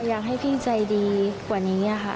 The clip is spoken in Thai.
อยากให้พี่ใจดีกว่านี้ค่ะ